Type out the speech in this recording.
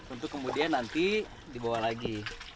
untuk kemudian nanti dibawa lagi